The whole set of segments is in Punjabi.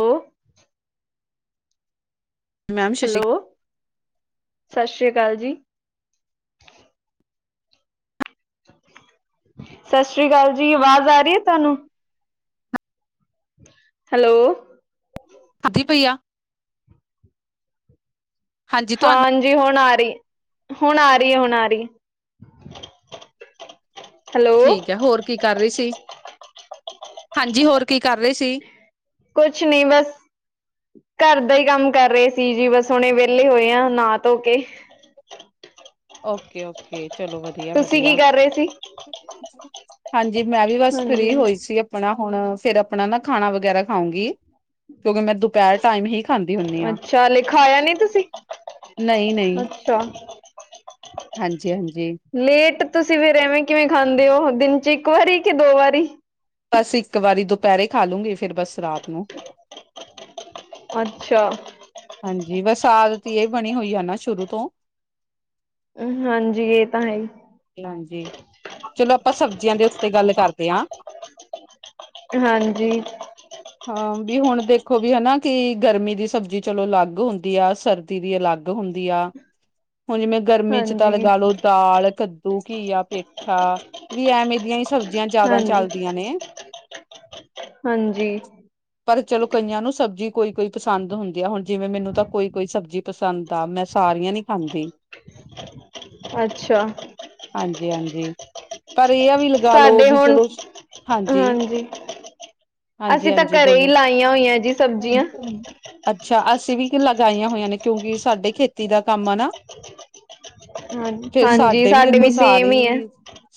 ਹੈਲੋ। ਮੈਮ ਸਤਿ ਸ਼੍ਰੀ ਹੈਲੋ -ਸਤਿ ਸ੍ਰੀ ਅਕਾਲ ਜੀ, ਸਤਿ ਸ੍ਰੀ ਅਕਾਲ ਜੀ, ਆਵਾਜ਼ ਆ ਰਹੀ ਹੈ ਤੁਹਾਨੂੰ? ਹੈਲੋ, ਆਂਦੀ ਪਈ ਆ। ਹਾਂਜੀ ਤੁਹਾਨੂੰ ਹਾਂਾਂਜੀ ਹੁਣ ਆ ਰਹੀ, ਹੁਣ ਆ ਰਹੀ ਹੈ ਹੁਣ ਆ ਰਹੀ, ਹੈਲੋ ਠੀਕ ਹੈ ਹੋਰ ਕੀ ਕਰ ਰਹੀ ਸੀ, ਹਾਂਜੀ ਹੋਰ ਕੀ ਕਰ ਰਹੇ ਸੀ? ਕੁਛ ਨੀ ਬਸ, ਘਰ ਦਾ ਹੀ ਕੰਮ ਕਰ ਰਹੇ ਸੀ ਜੀ ਬਸ, ਹੁਣੇ ਵਿਹਲੇ ਹੋਏ ਆ ਨਾ ਧੋ ਕੇ, ਓਕੇ ਓਕੇ, ਚਲੋ ਵਧੀਆ ਤੁਸੀਂ ਕੀ ਵਧੀਆ, ਕਰ ਰਹੇ ਸੀ? ਹਾਂਜੀ ਮੈਂ ਵੀ ਬਸ ਹਾਂਜੀ ਫ੍ਰਰੀ ਹੋਈ ਸੀ, ਆਪਣਾ ਹੁਣ ਫੇਰ ਆਪਣਾ ਨਾ ਖਾਣਾ ਵਗੈਰਾ ਖਾਉਂਗੀ, ਕਿਉਂਕਿ ਮੈਂ ਦੁ ਦੁਪੈਰ ਟਾਈਮ ਹੀ ਖਾਂਦੀ ਹੁੰਦੀ ਹਾਂ। ਅੱਛਾ ਲਿਖਾਇਆ ਨਹੀਂ ਨਹੀਂ ਤਾਂ- ਹਾਂਜੀ ਹਾਂਜੀ। ਲੇਟ ਤੁਸੀਂ ਫੇਿਰ ਐਵੇਂ ਕਿਵੇਂ ਖਾਂਦੇ ਹੋ? ਦਿਨ ਚ' ਇੱਕ ਵਾਰੀ ਕਿ ਦੋ ਵਾਰੀ ਬਸ ਇੱਕ ਵਾਰੀ ਦੁਪਹਿਰੇ ਖਾ ਲੂੰਗਾ, ਫੇਿਰ ਬਸ ਰਾਤ ਨੂੰ ਅੱਛਾ! ਹਾਂਜੀ, ਬਸ ਆਦਤ ਦੀ ਇਹ ਬਣੀ ਹੋਈ ਆ ਨਾ ਸ਼ੁਰੂ ਤੋਂ ਹਾਂਜੀ ਇਹ ਤਾਂ ਹੈ ਹੀ, ਹਾਂਜੀ, ਚਲੋ ਆਪਾਂ ਸਬਜ਼ੀਆਂ ਦੇ ਉਤੇ ਗੱਲ ਕਰਦੇ ਹਾਂ। ਹਾਂਜੀ, ਹਾਂ ਵੀ ਹੁਣ ਦੇਖੋ ਵੀ ਹਨਾ, ਕਿ ਗਰਮੀ ਦੀ ਸਬਜ਼ੀ ਚਲੋ ਅਲੱਗ ਹੁੰਦੀ ਆ ਸਰ, ਦੀ ਵੀ ਅਲੱਗ ਹੁੰਦੀ ਆ ਹੁਣ ਜਿਵੇਂ, ਗਰਮੀ 'ਚ ਤਾਂ ਹਾਂਜੀ ਲਗਾ ਲੋ ਦਾਲ, ਕੱਦੂ, ਘੀਆ, ਪੇਠਾ ਵੀ ਐਵੇ ਇਹ ਦੀਆਂ ਹੀ ਸਬਜ਼ੀਆਂ ਜਿਆਦਾ ਹਾਂਜੀ ਚੱਲਦੀਆਂ ਨੇ। ਹਾਂਜੀ। ਪਰ ਚਲੋ ਕਈਆਂ ਨੂੰ ਸਬਜ਼ੀ ਕੋਈ ਕੋਈ ਪਸੰਦ ਹੁੰਦੀ ਆ। ਹੁਣ ਜਿਵੇਂ ਮੈਨੂੰ ਤਾਂ ਕੋਈ ਕੋਈ ਸਬਜ਼ੀ ਪਸੰਦ ਆ ਮੈਂ ਸਾਰੀਆਂ ਨੀ ਖਾਂਦੀ। ਅੱਛਾ। ਹਾਂਜੀ-ਹਾਂਜੀ, ਪਰ ਇਹ ਵੀ ਲਗ ਸਾਡੇ ਹੁਣ, ਹਾਂਜੀ। ਹਾਂਜੀ ਅਸੀਂ ਤਾਂ ਹਾਂਜੀ ਘਰੇ ਹੀ ਬੋਲੋ ਲਾਈਆਂ ਹੋਈਆਂ ਜੀ ਸਬਜ਼ੀਆਂ ਅੱਛਾ ਅਸੀਂ ਵੀ ਲਗਾਈਆਂ ਹੋਈਆਂ ਨੇ, ਕਿਉਂਕਿ ਸਾਡੇ ਖੇਤੀ ਦਾ ਕੰਮ ਆ ਨਾ ਹਾਂ, ਫੇਰ ਹਾਂਜੀ ਸਾਡੇ ਦੇਖੋ ਵੀ ਸੇਮ ਹੀ ਹੈ ਸਾਰੀ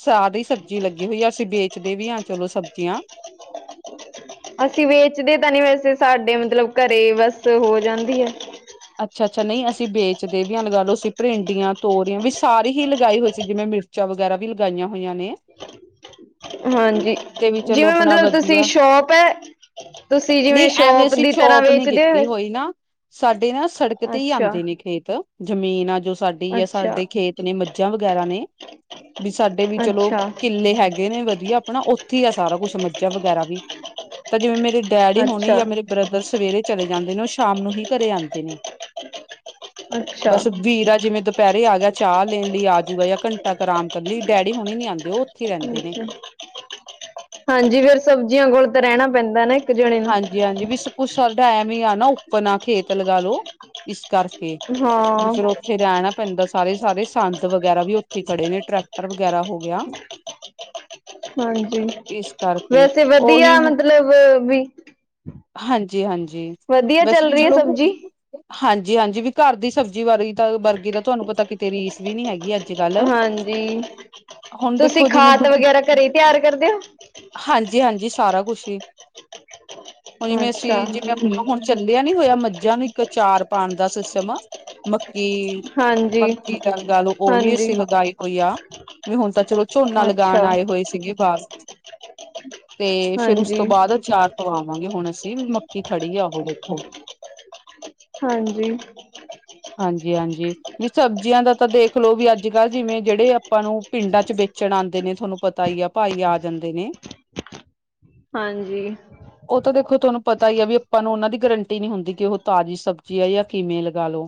ਸਾਰੀ ਸਬਜ਼ੀ ਲੱਗੀ ਹੋਈ ਆ। ਅਸੀਂ ਵੇਚਦੇ ਵੀ ਹਾਂ ਚਲੋ ਸਬਜ਼ੀਆਂ ਅਸੀਂ ਵੇਚਦੇ ਤਾਂ ਨਹੀਂ, ਵੈਸੇ ਸਾਡੇ ਮਤਲਬ ਘਰੇ ਬਸ ਹੋ ਜਾਂਦੀ ਹੈ ਅੱਛਾ-ਅੱਛਾ ਨਹੀਂ ਅਸੀਂ ਵੇਚਦੇ ਵੀ ਹਾਂ। ਲਗਾ ਲਓ ਸੀ ਭਿੰਡੀਆਂ, ਤੋਰੀਆਂ ਵੀ ਸਾਰੀ ਹੀ ਲਗਾਈ ਹੋਈ ਸੀ ਜਿਵੇਂ ਮਿਰਚ ਮਿਰਚਾ ਵਗੈਰਾ ਵੀ ਲਗਾਈਆਂ ਹੋਈਆਂ ਨੇ ਹਾਂਜੀ, ਤੇ ਵੀ ਚਲੋ ਜਿਵੇਂ ਆਪਣਾ ਮਤਲਬ ਤੁਸੀਂ ਵਧੀਆ ਸ਼ੋਪ ਹੈ ਤੁਸੀਂ ਨਹੀਂ ਜਿਵੇਂ ਐਵੇਂ ਸ਼ੋਪ ਅਸੀਂ ਦੀ ਤਰ੍ਹਾਂ ਚੋਪ ਨੀ ਵੇਚਦੇ ਕੀਤੀ ਹੋ ਹੋਈ ਨਾ ਸਾਡੇ ਨਾ ਸੜਕ ਤੇ ਹੀ ਅੱਛਾ ਆਉਂਦੇ ਨੇ ਖੇਤ, ਜ਼ਮੀਨ ਆ ਜੋ ਸਾਡੀ ਆ, ਅੱਛਾ ਸਾਡੇ ਖੇਤ ਅਪਨੀ ਮੱਝਾਂ ਵਗੈਰਾ ਨੇ, ਵੀ ਸਾਡੇ ਵੀ ਚਲੋ ਅੱਛਾ ਕਿੱਲੇ ਹੈਗੇ ਗੇ ਨੇ ਵਧੀਆ ਆਪਣਾ ਉੱਥੇ ਹੀ ਆ ਸਾਰਾ ਕੁਛ ਮੱਝਾ ਵਗੈਰਾ ਵੀ। ਤਾਂ ਜਿਵੇਂ ਮੇਰੇ ਡੈਡੀ ਹੋਣੇ ਅੱਛਾ ਅੱਛਾ ਜਾਂ ਮੇਰੇ ਬ੍ਰਦਰ ਸਵੇਰੇ ਚਲੇ ਜਾਂਦੇ ਨੇ, ਉਹ ਸ਼ਾਮ ਨੂੰ ਹੀ ਘਰੇ ਆਉਂਦੇ ਨੇ ਅੱਛਾ ਬਸ ਵੀਰਾ ਜਿਵੇਂ ਦੁਪ ਦੁਪਹਿਰੇ ਆ ਗਿਆ ਚਾਹ ਲੈਣ ਲਈ ਆਜੂਗਾ, ਜਾਂ ਘੰਟਾ ਇਕ ਆਰਾਮ ਕਰਨ ਲਈ। ਡੈਡੀ ਹੁਣੇ ਨੀ ਆਉਂਦੇ ਉਹ ਉੱਥੇ ਰਹਿੰਦੇ ਨੇ ਅੱਛਾ। ਹਾਂਜੀ ਫੇਰ ਸਬਜ਼ੀਆਂ ਕੋਲ ਤਾਂ ਰਹਿਣਾ ਪੈਂਦਾ ਨਾ ਇੱਕ ਜਣੇ ਨੂੰ ਜੀ ਹਾਂਜੀ ਵੀ ਸਬ ਕੁਛ ਸਾਡਾ ਐਵੇ ਹੀ ਆ ਨਾ ਉੱਪਨ ਆ, ਖੇਤ ਲਗਾਾਲੋ ਇਸ ਕਰਕੇ, ਵੀ ਹਾਂ ਫੇਰ ਉੱਥੇ ਰਹਿਣਾ ਪੈਂਦਾ ਸਾਰੇ-ਸਾਰੇ ਸੰਦ ਵਗੈਰਾ ਵੀ ਉੱਥੇ ਖੜੇ ਨੇ, ਟਰੈਕਟਰ ਵਗੈਰਾ ਹੋ ਗਿਆ ਹਾਂਜੀ, ਇਸ ਕਰਕੇ ਵੈਸੇ ਉਹੀ ਵਧੀਆ ਹੁਣ ਮਤਲਬ ਔਵੀ ਹਾਂਜੀ-ਹਾਂਜੀ, ਵਧੀਆ ਵੈਸੇ ਚੱਲ ਵੀ ਰਹੀ ਹੈ ਚਲੋ ਸਬਜ਼ੀ ਹਾਂਜੀ-ਹਾਂਜੀ ਵੀ ਘਰ ਦੀ ਸਬਜ਼ੀ ਵਰਗੀ ਤਾਂ ਵਰਗੀ ਦਾ ਤੁਹਾਨੂੰ ਪਤਾ ਕਿਤੇ ਰੀਸ ਵੀ ਨੀ ਹੈਗੀ। ਅ ਹਾਂਜੀ, ਹੁਣ ਤੁਸੀਂ ਦੇਖੋ ਜਿਵੇਂ ਖਾਦ ਵਗੈਰਾ ਘਰੇ ਤਿਆਰ ਕਰਦੇ ਹੋ ਹਾਂਜੀ-ਹਾਂਜੀ ਸਾਰਾ ਕੁਛ ਹੀ ਹੁਣ ਜਿਵੇਂ ਅੱਛਾ ਅਸੀਂ ਜਿਵੇਂ ਹੁਣ ਚੱਲਿਆ ਨੀ ਹੋਇਆ, ਮੱਝਾਂ ਨੂੰ ਇੱਕ ਅਚਾਰ ਪਾਉਣ ਦਾ ਸਿਸਟਮ ਮੱਕੀ, ਹਾਂਜੀ ਮੱਕੀ ਦਾ ਲਗਾ ਲਓ ਉਹ ਵੀ ਹਾਂਜੀ ਅਸੀਂ ਲਗਾਈ ਹੋਈ ਆ ਵੀ ਹੁਣ ਤਾਂ ਚਲੋ ਝੋਨਾ ਲਗਾਉਣ ਅੱਛਾ ਆਏ ਹੋਏ ਸੀਗੇ ਘਰ ਤੇ ਫੇਰ ਉਸ ਹਾਂਜੀ ਤੋਂ ਬਾਅਦ ਅਚਾਰ ਪਵਾਵਾਂਗੇ ਹੁਣ ਅਸੀਂ ਵੀ, ਮੱਕੀ ਖੜੀ ਏ ਔਹ ਦੇਖੋ ਹਾਂਜੀ। ਹਾਂਜੀ-ਹਾਂਜੀ। ਵੀ ਸਬਜ਼ੀਆਂ ਦਾ ਤਾਂ ਦੇਖਲੋ ਵੀ ਅੱਜ ਕੱਲ੍ਹ ਜਿਵੇਂ ਜਿਹੜੇ ਆਪਾਂ ਨੂੰ, ਪਿੰਡਾਂ ਚ ਵੇਚਣ ਆਉਂਦੇ ਨੇ ਤੁਹਾਨੂੰ ਪਤਾ ਹੀ ਏ ਭਾਈ ਆ ਜਾਂਦੇ ਨੇ ਹਾਂਜੀ। ਉਹ ਤਾਂ ਦੇਖੋ ਤੁਹਾਨੂੰ ਪਤਾ ਹੀ ਆ ਵੀ ਆਪਾਂ ਨੂੰ ਉਹਨਾਂ ਦੀ ਗਰੰਟੀ ਨਹੀਂ ਹੁੰਦੀ, ਕਿ ਉਹ ਤਾਜ਼ੀ ਸਬਜ਼ੀ ਆ ਜਾਂ ਕਿਵੇਂ ਲਗਾ ਲੋ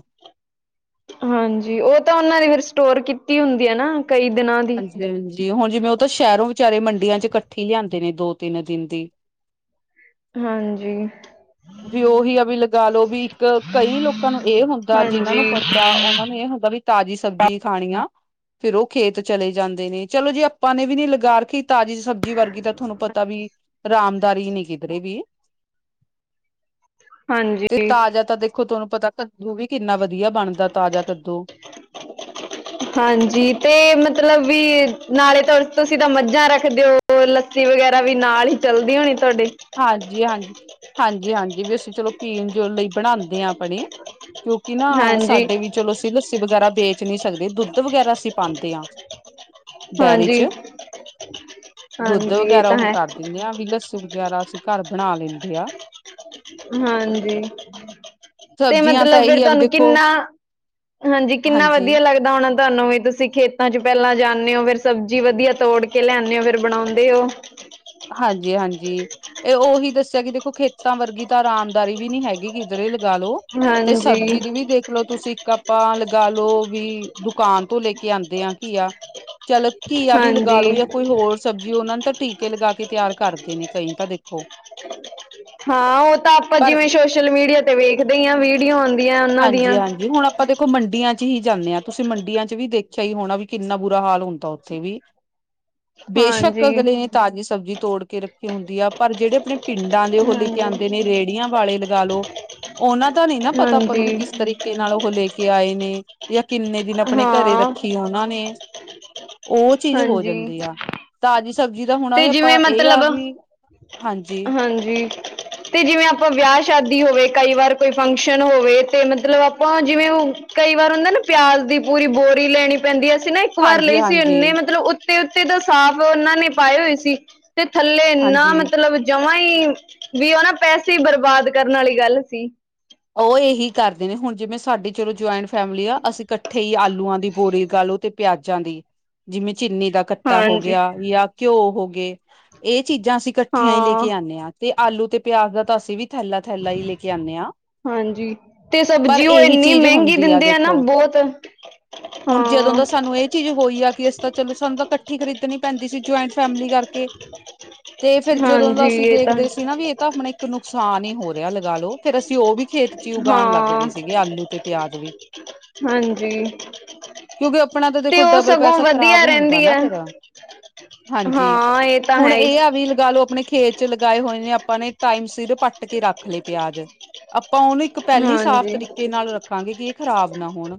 ਹਾਂਜੀ, ਉਹ ਤਾਂ ਉਹਨਾਂ ਨੇ ਫਿਰ ਸਟੋਰ ਕੀਤੀ ਹੁੰਦੀ ਹੈ ਨਾ। ਕਈ ਦਿਨਾਂ ਦੀ ਹਾਂਜੀ, ਹੁਣ ਜਿਵੇਂ ਉਹ ਤਾਂ ਸ਼ਹਿਰੋਂ ਵਿਚਾਰੇ ਮੰਡੀਆਂ 'ਚ ਇਕੱਠੀ ਲਿਆਂਦੇ ਨੇ ਦੋ-ਤਿੰਨ ਦਿਨ ਦੀ ਹਾਂਜੀ। ਵੀ ਉਹੀ ਆ ਵੀ ਲਗਾ ਲੋੋ ਵੀ ਇੱਕ, ਕਈ ਲੋਕਾਂ ਨੂੰ ਇਹ ਹੁੰਦਾ ਜਿਹਨਾਂ ਨੂੰ ਹਾਂਜੀ ਪਤਾ ਉਹਨਾਂ ਨੂੰ ਇਹ ਹੁੰਦਾ ਵੀ ਤਾਜ਼ੀ ਸਬਜ਼ੀ ਖਾਣੀ ਆ ਫੇਰ ਉਹ ਖੇਤ ਚਲੇ ਜਾਂਦੇ ਨੇ। ਚਲੋ ਜੇ ਆਪਾਂ ਨੇ ਵੀ ਨੀ ਲਗਾ ਰਖੀ, ਤਾਜ਼ੀ ਸਬਜ਼ੀ ਵਰਗੀ ਤਾਂ ਤੁਹਾਨੂੰ ਪਤਾ ਵੀ ਅਰਾਮਦਾਰੀ ਨੀ ਕਿਧਰੇ ਵੀ ਤੇ ਹਾਂਜੀ ਤਾਜ਼ਾ ਤਾਂ ਦੇਖੋ, ਤੁਹਾਨੂੰ ਪਤਾ ਕੱਦੂ ਵੀ ਕਿੰਨਾ ਵਧੀਆ ਬਣਦਾ ਤਾਜ਼ਾ ਕੱਦੂ ਹਾਂਜੀ ਤੇ, ਮਤਲਬ ਵੀ ਨਾਲੇ ਤਾਂ ਤੁਸੀਂ ਤਾਂ ਮੱਝਾਂ ਰੱਖਦੇ ਹੋ ਹੋਰ ਲੱਸੀ ਵਗੈਰਾ ਵੀ ਨਾਲ ਹੀ ਚੱਲਦੀ ਹੋਣੀ ਤੁਹਾਡੇ ਹਾਂਜੀ -ਹਾਂਜੀ, ਹਾਂਜੀ -ਹਾਂਜੀ ਵੀ ਅਸੀ ਚਲੋ ਪੀਣ ਜੋ ਲਈ ਬਣਾਂਦੇ ਆਂ ਆਪਣੀ। ਕਿਉਂਕਿ ਨਾ ਹਾਂਜੀ ਸਾਡੇ ਵੀ ਚਲੋ ਅਸੀ ਲੱਸੀ ਵਗੈਰਾ ਵੇਚ ਨੀ ਸਕਦੇ, ਦੁੱਧ ਵਗੈਰਾ ਅਸੀ ਪਾਂਦੇ ਆਂ। ਡੈਅਰੀ ਹਾਂਜੀ, ਚ', ਦੁੱਧ ਹਾਂਜੀ ਇਹ ਵਗੈਰਾ ਤਾਂ ਓਹ ਹੈ ਕਰ ਦਿੰਨੇ ਆਂ ਵੀ ਲੱਸ ਵਗੈਰਾ ਅਸੀ ਘਰ ਬਣਾ ਲੈਂਦੇ ਆ। ਹਾਂਜੀ। ਤੇ ਸਬਜ਼ੀਆਂ ਤਾਂ ਮਤਲਬ ਫੇਰ ਇਹੀ ਆ ਵੀ ਤੁਹਾਨੂੰ ਦੇਖੋ ਕਿੰਨਾ, ਹਾਂਜੀ ਕਿੰਨਾ ਵਧੀਆ ਲੱਗ ਦਾ ਹੋਣਾ ਤੁਹਾਨੂੰ ਵੀ, ਤੁਸੀ ਖੇਤਾਂ ਚ' ਪਹਿਲਾਂ ਜਾਂਦੇ ਓ, ਫੇਰ ਸਬਜ਼ੀ ਵਧੀਆ ਤੋੜ ਕੇ ਲਿਆਂਦੇ ਓ ਫੇਰ ਬਣਾਉਂਦੇ ਓ। ਹਾਂਜੀ ਹਾਂਜੀ, ਏਹ ਔਹੀ ਦੱਸਿਆ ਕਿ ਦੇਖੋ ਖੇਤਾਂ ਵਰਗੀ ਤਾਂ ਆਰਾਮਦਾਰੀ ਵੀ ਨੀ ਹੈਗੀ। ਕਿਧਰੇ ਲਗਾਾਲੋ, ਤੇ ਹਾਂਜੀ, ਸਬਜ਼ੀ ਦੀ ਵੀ ਦੇਖ ਮਤਲਬ ਤੁਸੀਂ ਇੱਕ ਆਪਾਂ ਲਗਾ ਲੋ ਵੀ, ਦੁਕਾਨ ਤੋਂ ਲੈ ਕੇ ਆਂਦੇ ਆ ਘੀਆ। ਚੱਲੋ ਘੀਆ ਵੀ ਲਗਾ ਲੋ ਹਾਂਜੀ। ਯਾਂ ਕੋਈ ਹੋਰ ਸਬਜ਼ੀ, ਓਹਨਾਂ ਨੂੰ ਤਾਂ ਟੀ ਕੇ ਲਗਾ ਕੇ ਤਿਆਰ ਕਰਦੇ ਨੇ, ਕਈ ਤਾਂ ਦੇਖੋ। [unintelligible] ਹਾਂ ਔ ਤਾਂ ਆਪਾਂ ਪਰ ਜਿਵੇਂ, ਸੋਸ਼ਲ ਮੀਡੀਆ ਤੇ ਵੇਖਦੇ ਹੀ ਹਾਂ, ਵੀਡੀਓ ਆਂਦੀਆਂ ਓਨਾਂ ਦੀਆਂ ਹਾਂਜੀ ਹਾਂਜੀ ਹੁਣ ਆਪਾਂ ਦੇਖੋ ਮੰਡੀਆਂ ਚ ਹੀ ਜਾਂਨੇ ਹਾਂ, ਤੁਸੀਂ ਮੰਡੀਆਂ ਚ ਵੀ ਦੇਖਿਆ ਹੀ ਹੋਣਾ, ਵੀ ਕਿੰਨਾ ਬੁਰਾ ਹਾਲ ਹੁੰਦਾ ਓਥੇ ਵੀ ਬੇਸ਼ੱਕ ਹਾਂਜੀ, ਅਗਲੇ ਨੇ, ਤਾਜ਼ੀ ਸਬਜ਼ੀ ਤੋੜ ਕੇ ਰੱਖੀ ਹੁੰਦੀ ਆ, ਪਰ ਜੇਹੜੇ ਆਪਣੇ ਪਿੰਡਾਂ ਦੇ ਓਹ ਲੈ ਕੇ ਹਾਂਜੀ, ਆਉਂਦੇ ਨੇ, ਰੇਹੜੀਆਂ ਵਾਲੇ ਲਗਾ ਲਓ, ਓਨਾਂ ਦਾ ਨੀ ਨਾ ਪਤਾ ਨੂੰ ਵੀ ਹਾਂਜੀ ਕਿਸ ਤਰੀਕੇ ਨਾਲ ਓਹ ਲੈ ਕੇ ਆਏ ਨੇ, ਯਾ ਕਿੰਨੇ ਦਿਨ ਅਪਣੇ ਘਰੇ ਹਾਂ, ਰੱਖੀ ਓਨਾਂ ਨੇ, ਔ ਚੀਜ਼ ਹੋ ਹਾਂਜੀ। ਜਾਂਦੀ ਆ, ਤਾਜ਼ ਸਬਜ਼ੀ ਦਾ ਹੋਣਾ ਤੇ ਏ ਜਿਵੇਂ ਆਪਾਂ, ਏਹ ਆ ਮਤਲਬ ਵੀ ਹਾਂਜੀ ਹਾਂਜੀ। ਤੇ ਜਿਵੇਂ, ਆਪਾਂ ਵਿਆਹ ਸ਼ਾਦੀ ਹੋਵੇ, ਕਈ ਵਾਰ ਕੋਈ ਫੰਕਸ਼ਨ ਹੋਵੇ ਤੇ, ਮਤਲਬ ਆਪਾਂ ਜਿਵੇਂ ਕਈ ਵਾਰ, ਉਹਨਾਂ ਨੂੰ ਪਿਆਜ ਦੀ ਪੂਰੀ ਬੋਰੀ ਲੈਣੀ ਪੈਂਦੀ ਐ, ਅਸੀਂ ਨਾ ਇੱਕ ਵਾਰ ਹਾਂਜੀ ਲਈ ਸੀ। ਹਾਂਜੀ ਐਨੇ ਮਤਲਬ ਤੇ ਉੱਤੇ ਤੇ, ਸਾਫ਼ ਓਨਾਂ ਨੇ ਪਾਏ ਹੋਏ ਸੀ। ਤੇ ਥੱਲੇ ਏਨਾ ਹਾਂਜੀ ਮਤਲਬ ਜਮਾ ਈ, ਵੀ ਓ ਨਾ ਪੈਸੇ ਬਰਬਾਦ, ਕਰਨ ਵਾਲੀ ਗੱਲ ਸੀ। ਓਹ ਏਹੀ ਕਰਦੇ ਨੇ, ਹੁਣ ਜਿਵੇਂ ਸਾਡੀ ਚਲੋ ਜੁਆਇੰਟ ਫੈਮਿਲੀ ਆ, ਅਸੀ ਇਕੱਠੇ ਈ ਆਲੂਆਂ ਦੀ ਬੋਰੀ ਕਹਿ ਲੋ ਤੇ ਪਿਆਜਾਂ ਦੀ ਜਿਵੇਂ, ਚੀਨੀ ਦਾ ਕੱਟਾ ਹੋ ਹਾਂਜੀ। ਗਿਆ ਜਾਂ ਘਿਓ ਹੋ ਗੇ, ਏਹ ਚੀਜ਼ਾਂ ਅਸੀਂ ਕੱਠੀਆਂ ਹੀ ਲੈ ਹਾਂ ਕੇ ਆਨੇ ਹਾਂ, ਤੇ ਆਲੂ ਤੇ ਪਿਆਜ ਦਾ ਤਾਂ ਅਸੀ ਵੀ ਥੈਲਾ -ਥੈਲਾ ਈ ਲੇ ਕੇ ਆਨੇ ਆ ਹਾਂਜੀ, ਤੇ ਸਬਜ਼ੀ ਓ ਏਨੀ ਚੀਜ਼ ਮਹਿੰਗੀ, ਹੁੰਦੀ ਦਿੰਦੇ ਆ ਨਾ ਦੇਖੋ ਬੋਤ ਹੁਣ ਜਦੋਂ ਦਾ ਸਾਨੂੰ, ਏਹ ਚੀਜ਼ ਹੋਈ ਆ ਕਿ ਤਾਂ ਚਲੋ, ਸਾਨੂੰ ਤਾਂ ਕੱਠੀ ਖਰੀਦਣੀ ਪੈਂਦੀ ਸੀ, ਜੁਆਇੰਟ ਫੈਮਿਲੀ ਕਰਕੇ ਤੇ ਫੇਰ, ਜਦੋਂ ਦਾ ਹਾਂਜੀ ਅਸੀ ਇਹ ਤਾਂ ਦੇਖਦੇ ਸੀ ਨਾ, ਵੀ ਏਹ ਤਾਂ ਅਪਣਾ ਇੱਕ ਨੁਕਸਾਨ ਹੀ ਹੋ ਰਿਹਾ ਲਗਾ ਲੋ, ਫੇਰ ਅਸੀਂ ਓ ਵੀ ਖੇਤ ਚ ਈ ਉਗਾਣ ਲੱਗ ਹਾਂ ਗਏ ਸੀਗੇ, ਆਲੂ ਤੇ ਪਿਆਜ ਵੀ ਹਾਂਜੀ। ਕਿਉਂਕਿ, ਅਪਣਾ ਤਾਂ ਤੇ ਦੇਖੋ ਉਹ ਡਬਲ ਸਗੋਂ ਪੈਸਾ, ਖ਼ਰਾਬ ਵਧੀਆ ਹੁੰਦਾ ਰਹਿੰਦੀ ਨਾ ਹੈ ਫੇਰ ਹਾਂਜੀ, ਹਾਂ ਇਹ ਤਾਂ ਹੁਣ ਹੈ ਹੀ ਏ ਆ ਵੀ ਲਗਾ ਲੋ ਅਪਣੇ ਖੇਤ ਚ ਲਗਾਏ ਹੋਏ ਨੇ ਆਪਾਂ ਨੇ, ਟਾਈਮ ਸਿਰ ਪੱਟ ਕੇ ਰੱਖ ਲਏ ਪਿਆਜ। ਆਪਾਂ, ਓਹਨੂੰ ਇੱਕ ਪਹਿਲੇ ਈ, ਸਾਫ਼ ਹਾਂਜੀ ਤਰੀਕੇ ਨਾਲ ਰੱਖਾਂਗੇ ਕਿ, ਏਹ ਖ਼ਰਾਬ ਨਾ ਹੋਣ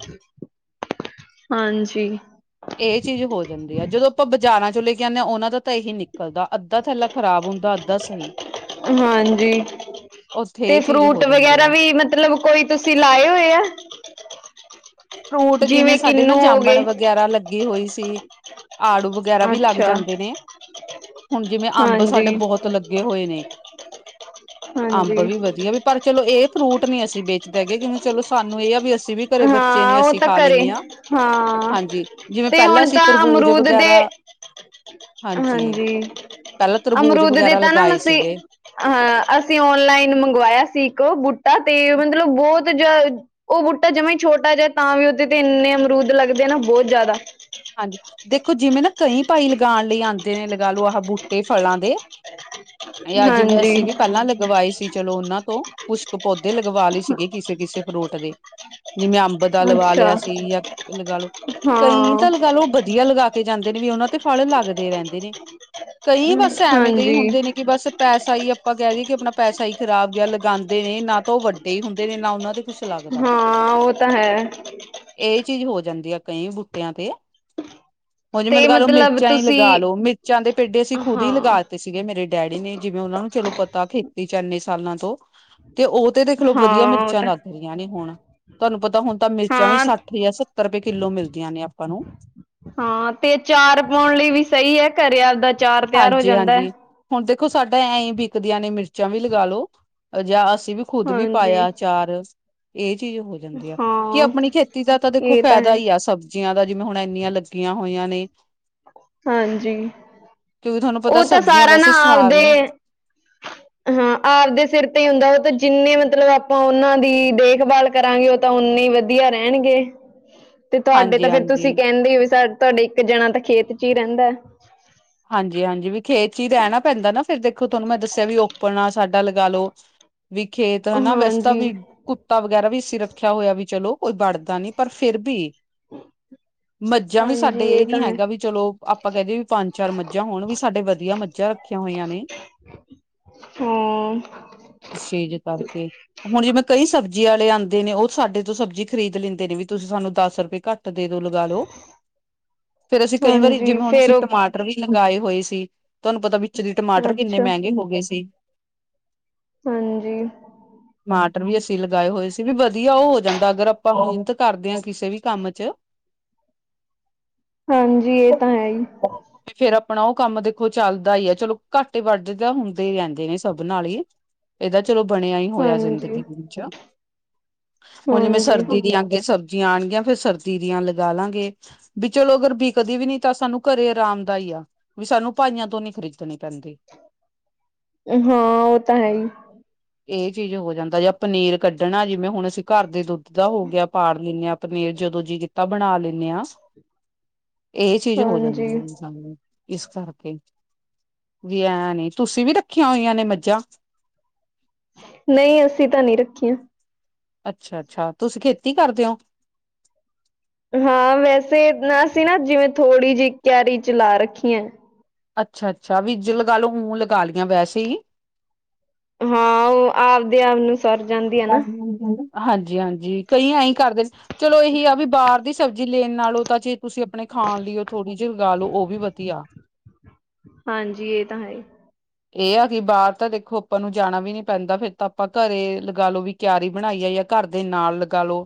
ਹਾਂਜੀ। ਏਹ ਚੀਜ਼ ਹੋ ਜਾਂਦੀ ਆ, ਜਦੋਂ ਆਪਾਂ ਬਾਜ਼ਾਰਾਂ ਚੋਂ ਲੈ ਕੇ ਆਦੇ ਹਾਂ, ਓਹਨਾਂ ਦਾ ਤਾਂ ਏਹੀ ਨਿਕਲਦਾ ਅੱਧਾ ਥੈਲਾ, ਖਰਾਬ ਹੁੰਦਾ ਅੱਧਾ ਸਹੀ। ਹਾਂਜੀ, ਉੱਥੇ ਤੇ ਇਹ ਚੀਜ਼ ਹੋ ਫਰੂਟ ਜਾਂਦੀ ਵਗੈਰਾ ਆ ਵੀ ਮਤਲਬ ਕੋਈ ਤੁਸੀ, ਲਾਏ ਹੋਏ ਆ? ਫਰੂਟ ਜਿਵੇਂ, ਸਾਡੇ ਨਾ ਕਿੰਨੂੰ ਹੋ ਜਾਮਣ ਗਏ ਵਗੈਰਾ, ਲੱਗੇ ਹੋਏ ਸੀ। ਆੜੂ ਵਗੈਰਾ ਵੀ, ਲੱਗ ਅੱਛਾ ਜਾਂਦੇ ਨੇ, ਹੁਣ ਜਿਵੇਂ, ਅੰਬ ਹਾਂਜੀ ਸਾਡੇ ਬਹੁਤ ਲੱਗੇ ਹੋਏ ਨੇ, ਅੰਬ ਹਾਂਜੀ ਵੀ ਵਧੀਆ, ਵੀ ਪਰ ਚਲੋ ਏਹ ਫਰੂਟ ਨਈ ਅਸੀ ਵੇਚਦੇ ਹਗੇ ਕਿਉਂਕਂ, ਚਲੋ ਸਾਨੂੰ ਏਹ ਆ ਵੀ ਅਸੀ ਵੀ ਘਰੇ ਬੱਚੇ ਨੇ ਹਾਂ ਓ ਅਸੀਂ ਤਾਂ ਖਾ ਘਰੇ, ਲੈਂਦੇ ਹਾਂ ਹਾਂ ਹਾਂਜੀ ਜਿਵੇਂ ਤੇ ਪਹਿਲਾਂ ਹੁਣ ਅਸੀਂ ਤਾਂ ਤਰਬੂਜ ਅਮਰੂਦ ਦੇ ਵਗੈਰਾ ਹਾਂਜੀ, ਪਹਿਲਾਂ ਤਰਬੂਜ ਅਮਰੂਦ ਦੇ ਵਗੈਰਾ ਤਾਂ ਨਾ ਲਗਾਏ ਮਸੀ ਸੀਗੇ ਹਾਂ ਅਸੀਂ, ਔਨਲਾਈਨ ਮੰਗਵਾਇਆ ਸੀ ਇੱਕ ਬੂਟਾ ਤੇ, ਮਤਲਬ ਬਹੁਤ ਤੇ ਉਹ ਬੂਟਾ ਜਵਾ ਛੋਟਾ ਜਿਹਾ, ਤਾਂ ਵੀ ਉਹਦੇ ਤੇ ਇੰਨੇ ਅਮਰੂਦ ਲੱਗਦੇ ਆ ਨਾ, ਬਹੁਤ ਜ਼ਿਆਦਾ ਹਾਂਜੀ, ਦੇਖੋ ਜਿਵੇਂ ਨਾ, ਕਈ ਭਾਈ ਲਗਾਉਣ ਲਈ ਆਉਂਦੇ ਨੇ, ਲਗਾ ਲਓ ਆਹ ਬੂਟੇ ਫਲਾਂ ਦੇ ਅੱਜ, ਹਾਂਜੀ ਅਸੀਂ ਵੀ ਪਹਿਲਾਂ ਲਗਵਾਏ ਸੀ, ਚਲੋ ਉਹਨਾਂ ਤੋਂ ਪੁਸ਼ਕ ਪੌਦੇ ਲਗਵਾ ਗਈ, ਸੀਗੀ ਕਿਸੇ- ਕਿਸੇ ਫਰੂਟ ਦੇ ਜਿਵੇਂ, ਅੰਬ ਦਾ ਲਵਾ ਅੱਛਾ ਲਿਆ ਸੀ, ਜਾਂ ਲਗਾ ਲਓ ਕਈ ਹਾਂ ਚਲ, ਉਹ ਵਧੀਆ ਲਗਾ ਕੇ ਜਾਂਦੇ ਨੇ, ਵੀ ਉਹਨਾਂ ਤੇ ਫਲ ਲੱਗਦੇ ਰਹਿੰਦੇ ਨੇ, ਕਈ ਬਸ ਐਵੇਂ ਦੇ ਹੀ ਹਾਂਜੀ ਹੁੰਦੇ ਨੇ, ਕਿ ਬਸ। ਪੈਸਾ ਹੀ ਆਪਾਂ ਕਹਿ ਦੇਈਏ ਕਿ ਆਪਣਾ ਪੈਸਾ ਹੀ ਖ਼ਰਾਬ ਗਿਆ, ਲਗਾਉਂਦੇ ਨੇ ਨਾ ਤਾਂ ਉਹ ਵੱਡੇ ਹੀ ਹੁੰਦੇ ਨੇ ਨਾ ਉਹਨਾਂ ਦੇ। ਹਾਂ, ਉਹ ਤਾਂ ਹੈ। ਇਹ ਚੀਜ਼ ਹੋ ਜਾਂਦੀ ਆ ਕਈ ਬੂਟਿਆਂ ਤੇ। ਉਹ ਜਿਵੇਂ ਤੇ ਲਗਾ ਲੋ ਮਤਲਬ ਮਿਰਚਾਂ ਹੀ ਲਗਾ ਤੁਸੀਂ ਲੋ, ਮਿਰਚਾਂ ਦੇ ਪੇਡੇ ਅਸੀਂ ਖੁਦ ਹੀ ਲਗਾ। ਹਾਂ ਸੀਗੇ ਮੇਰੇ ਡੈਡੀ ਨੇ ਜਿਵੇਂ ਉਹਨਾਂ ਨੂੰ ਚਲੋ ਪਤਾ ਖੇਤੀ 'ਚ ਇੰਨੇ ਸਾਲਾਂ ਤੋਂ, ਤੇ ਉਹ। ਤੇ ਦੇਖਲੋ ਵਧੀਆ ਹਾਂ ਉਹ ਮਿਰਚਾਂ ਤਾਂ ਲੱਗ ਰਹੀਆਂ ਨੇ ਹੁਣ, ਤੁਹਾਨੂੰ ਪਤਾ ਹੁਣ ਤਾਂ ਮਿਰਚਾਂ ਵੀ ਹਾਂ ਸੱਠ ਜਾਂ ਸੱਤਰ। ਸੱਤਰ ਰੁਪਏ ਕਿੱਲੋ ਮਿਲਦੀਆਂ ਨੇ ਆਪਾਂ ਨੂੰ। ਹਾਂ, ਤੇ ਆਚਾਰ ਪਾਉਣ ਲਈ ਵੀ ਸਹੀ ਹੈ ਘਰੇ ਆਪਦਾ। ਅਚਾਰ ਤਿਆਰ ਹੋ ਹਾਂਜੀ- ਜਾਂਦਾ ਹੈ ਹਾਂਜੀ। ਹੁਣ ਦੇਖੋ, ਸਾਡਾ ਐਂ ਬਿਕਦੀਆਂ ਨੇ ਮਿਰਚਾਂ ਵੀ ਲਗਾ ਲਓ, ਜਾਂ ਅਸੀਂ ਵੀ। ਖੁੱਦ ਵੀ ਪਾਇਆ ਹਾਂਜੀ ਆਚਾਰ, ਇਹ ਚੀਜ਼ ਹੋ ਜਾਂਦੀ। ਕਿ ਹਾਂ ਆਪਣੀ ਖੇਤੀ ਦਾ ਤਾਂ ਦੇਖੋ ਇਹ ਫਾਇਦਾ ਹੈ ਹੀ ਆ ਸਭ। ਜੀਆਂ ਦਾ ਜਿਵੇਂ ਹੁਣ ਇੰਨੀਆਂ ਲੱਗੀਆਂ ਹੋਈਆਂ ਨੇ। ਹਾਂਜੀ, ਕਿਉਂਕਿ ਤੁਹਾਨੂੰ ਪਤਾ ਉਹ ਤਾਂ ਸਬਜ਼ੀਆਂ ਸਾਰਾ ਨਾ ਵੈਸੇ ਆਪਦੇ। ਸਾਰੀਆਂ ਹਾਂ, ਆਪਦੇ ਸਿਰ ਤੇ ਹੀ ਹੁੰਦਾ ਉਹ ਤਾਂ ਜਿੰਨੇ ਮਤਲਬ ਆਪਾਂ ਉਹਨਾਂ ਦੀ ਦੇਖਭਾਲ। ਕਰਾਂਗੇ, ਉਹ ਤਾਂ ਨੇ ਵਧੀਆ ਰਹਿਣਗੇ। ਤੇ ਤੁਹਾਡੇ ਤਾਂ ਫੇਰ ਹਾਂਜੀ-ਹਾਂਜੀ ਤੁਸੀਂ ਕਹਿੰਦੇ ਹੋ ਵੀ ਤੁਹਾਡੇ ਇੱਕ ਜਣਾ ਤਾਂ ਖੇਤ 'ਚ ਹੀ ਰਹਿੰਦਾ ਆ। ਹਾਂਜੀ- ਹਾਂਜੀ, ਵੀ ਖੇਤ 'ਚ ਹੀ ਰਹਿਣਾ ਪੈਂਦਾ ਨਾ। ਫਿਰ ਦੇਖੋ ਤੁਹਾਨੂੰ ਮੈਂ ਦੱਸਿਆ ਵੀ ਓਪਨ ਆ ਸਾਡਾ ਲਗਾ ਲਓ, ਵੀ ਖੇਤ ਹਨਾ ਵੈਸੇ ਤਾਂ ਹਾਂਜੀ ਵੀ। ਕੁੱਤਾ ਵਗੈਰਾ ਵੀ ਇਸਂ ਰੱਖਿਆ ਹੋਇਆ ਵੀ, ਚਲੋ ਕੋਈ ਵੜਦਾ ਨੀ ਪਰ ਫਿਰ ਵੀ। ਮੱਝਾਂ ਵੀ ਹਾਂਜੀ ਸਾਡੇ ਇਹ ਨੀ ਤਾਂ ਹੈ ਹੈਗਾ ਵੀ ਚਲੋ ਆਪਾਂ ਕਹਿਦਿਏ ਵੀ ਪੰਜ। ਚਾਰ ਮੱਝਾਂ ਹੋਣ ਵੀ ਸਾਡੇ ਵਧੀਆ ਮੱਝਾਂ ਰੱਖੀਆਂ ਹੋਈਆਂ ਨੇ। ਹਾਂ ਇਸੇ ਜੇ ਕਰਕੇ। ਹੁਣ ਜਿਵੇਂ ਕਈ ਸਬਜ਼ੀ ਵਾਲੇ ਲਿਆਉਂਦੇ ਨੇ, ਉਹ ਸਾਡੇ ਤੋਂ ਸਬਜ਼ੀ ਖਰੀਦ ਲੈਂਦੇ ਨੇ ਵੀ ਤੁਸੀਂ ਸਾਨੂੰ ਦਸ ਰੁਪਏ ਘੱਟ। ਦੇ ਦੋ ਲਗਾ ਲਓ, ਫੇਰ ਅਸੀਂ ਕਈ ਵਾਰੀ ਹਾਂਜੀ ਜਿਵੇਂ ਹੁਣ ਫੇਰ ਅਸੀਂ ਟਮਾਟਰ। ਉਹ ਮਟਰ ਵੀ ਲਗਾਏ ਹੋਏ ਸੀ, ਤੁਹਾਨੂੰ ਪਤਾ, ਵਿੱਚ ਦੇ ਟਮਾਟਰ ਕਿੰਨੇ ਅੱਛਾ ਮਹਿੰਗੇ ਹੋ ਗਏ ਸੀ। ਹਾਂਜੀ। ਟਮਾਟਰ ਵੀ ਅਸੀਂ ਲਗਾਏ ਹੋਏ ਸੀ ਵੀ ਵਧੀਆ ਉਹ ਹੋ ਜਾਂਦਾ ਅਗਰ ਆਪਾਂ ਮਿਹਨਤ ਕਰਦੇ ਹਾਂ ਕਿਸੇ ਵੀ ਕੰਮ 'ਚ। ਹਾਂਜੀ, ਇਹ ਤਾਂ ਹੈ ਹੀ। ਫੇਰ ਆਪਣਾ ਉਹ ਕੰਮ ਦੇਖੋ ਚੱਲਦਾ ਹੀ ਹੈ, ਚਲੋ ਘੱਟ ਵਾਧੇ ਤਾਂ ਹੁੰਦੇ ਰਹਿੰਦੇ ਨੇ ਸਭ ਨਾਲ ਹੀ। ਇਹਦਾ ਚਲੋ ਬਣਿਆ ਹੀ ਹੋਇਆ ਹਾਂਜੀ ਜ਼ਿੰਦਗੀ ਵਿੱਚ, ਹੁਣ ਜਿਵੇਂ ਹਾਂਜੀ ਸਰਦੀ ਅੱਗੇ ਸਰਦੀਆਂ ਦੀਆਂ ਸਬਜ਼ੀਆਂ ਆਣਗੀਆਂ, ਫੇਰ ਸਰਦੀ ਦੀਆਂ ਲਗਾ ਲਾਂਗੇ। ਵੀ ਚਲੋ ਅਗਰ ਬਿਕਦੀ ਵੀ ਨੀ ਤਾਂ ਸਾਨੂੰ ਘਰੇ ਆਰਾਮ। ਹੁੰਦਾ ਦਾ ਹੀ ਆ, ਵੀ ਸਾਨੂੰ ਭਾਈਆਂ ਤੋਂ ਨੀ ਖਰੀਦਣੇ ਪੈਂਦੇ। ਹਾਂ, ਉਹ ਤਾਂ ਹੈ ਹੀ। ਇਹ ਚੀਜ਼ ਹੋ ਜਾਂਦਾ, ਜਾਂ ਪਨੀਰ ਕੱਢਣਾ ਜਿਵੇਂ ਹੁਣ ਅਸੀਂ ਘਰ ਦੇ ਦੁੱਧ। ਦਾ ਹੋ ਗਿਆ ਪਾੜ ਲੈਂਨੇ ਹਾਂ ਪਨੀਰ, ਜਦੋਂ ਜੀ ਕੀਤਾ ਬਣਾ ਲੈਂਨੇ ਹਾਂ। ਇਹ ਚੀਜ਼ ਹੋ ਹਾਂਜੀ ਜਾਂਦੀ ਹੈ। ਹਾਂਜੀ ਇਸ ਕਰਕੇ, ਵੀ ਐ ਨੀ, ਤੁਸੀਂ ਵੀ ਰੱਖੀਆਂ ਹੋਈਆਂ ਨੇ ਮੱਝਾਂ। ਨਹੀਂ, ਅਸੀਂ ਤਾਂ ਨਹੀਂ ਰੱਖੀਆਂ। ਅੱਛਾ- ਅੱਛਾ, ਤੁਸੀਂ ਖੇਤੀ ਕਰਦੇ ਔ? ਹਾਂ, ਵੈਸੇ ਨਾ ਅਸੀਂ ਨਾ ਜਿਵੇਂ ਥੋੜ੍ਹੀ ਜਿ ਕਿਆਰੀ 'ਚ ਲਾ ਰੱਖੀ ਐ। ਅੱਛਾ -ਅੱਛਾ, ਵੀਜ ਲਗਾ ਲਓ ਉਹ ਲਗਾ ਲੀਆਂ ਵੈਸੇ ਈ‌। ਹਾਂ, ਔਹ ਆਪਦੇ ਆਪ ਨੂੰ ਸਰ ਜਾਂਦੀ ਐ ਨਾ। [unintelligible] ਹਾਂਜੀ ਹਾਂਜੀ, ਕਈ ਐਈ ਕਰਦੇ ਚਲੋ ਇਹੀ ਆ ਬੀ ਬਾਰ ਦੀ ਸਬਜ਼ੀ ਲੇਣ ਨਾਲੋਂ ਤਾਂ ਜੀ ਤੁਸੀਂ ਅਪਣੇ ਖਾਣ ਲਈ ਉ ਥੋੜ੍ਹੀ ਜੀ ਉਗਾ ਲਉ ਓਹ ਵੀ ਵਧੀਆ। ਹਾਂਜੀ, ਇਹ ਤਾਂ ਹੈ ਈ। ਏਹ ਆ ਕਿ ਬਾਰ ਤਾਂ ਦੇਖੋ ਅਪਾਂ ਨੂੰ ਜਾਣਾ ਵੀ ਨੀ ਪੈਂਦਾ ਫੇਰ ਤਾਂ ਅਪਾਂ ਘਰੇ ਲਗਾ ਲੋ ਵੀ ਕਿਆਰੀ ਬਣਾਈ ਐ ਯਾ ਘਰ ਦੇ ਨਾਲ ਲਗਾ ਲੋ।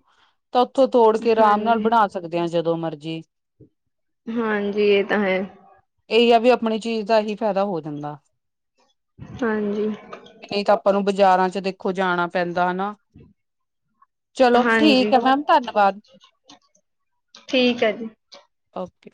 ਤਾਂ ਉੱਥੋਂ ਤੋੜ ਕੇ ਰਾਮ ਨਾਲ ਹਾਂਜੀ, ਬਣਾ ਸਕਦੇ ਆਂ ਜਦੋਂ ਮਰਜ਼ੀ। ਹਾਂਜੀ, ਏਹ ਤਾਂ ਹੈ। ਏਹੀ ਆ ਵੀ ਅਪਣੀ ਚੀਜ਼ ਦਾ ਹੀ ਫੈਦਾ ਹੋ ਜਾਂਦਾ। ਹਾਂਜੀ। ਨਹੀਂ ਤਾਂ ਅਪਾਂ ਨੂੰ ਬਜ਼ਾਰਾਂ ਚ ਦੇਖੋ ਜਾਣਾ ਪੈਂਦਾ ਹਨਾ। ਚਲੋ ਠੀਕ ਹਾਂਜੀ ਹੈ ਮੈਮ, ਧੰਨਵਾਦ। ਠੀਕ ਐ ਜੀ। ਓਕੇ।